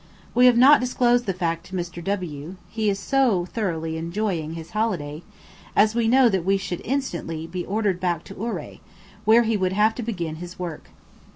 We have not disclosed the fact to Mr. W , he is so thoroughly enjoying his holiday, as we know that we should be instantly ordered back to Ouray, where he would have to begin his work.